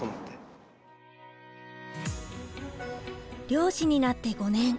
漁師になって５年。